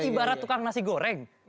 ibarat tukang nasi goreng